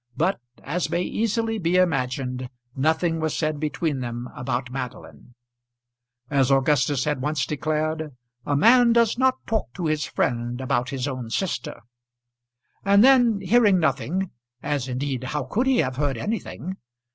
But, as may easily be imagined, nothing was said between them about Madeline. As Augustus had once declared, a man does not talk to his friend about his own sister. And then hearing nothing as indeed how could he have heard anything?